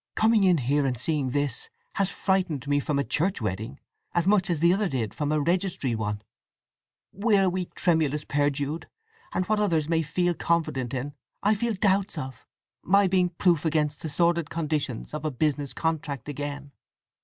Coming in here and seeing this has frightened me from a church wedding as much as the other did from a registry one… We are a weak, tremulous pair, Jude, and what others may feel confident in I feel doubts of—my being proof against the sordid conditions of a business contract again!"